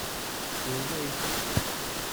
Swem ayefki!